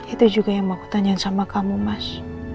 itu juga yang mau aku tanyain sama kamu mas